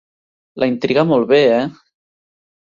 La intriga molt bé, eh?